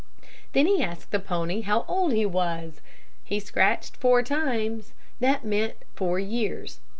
Then he asked the pony how old he was. He scratched four times. That meant four years.